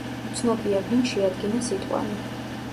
უცნობია, ვინ შეადგინა სიტყვანი.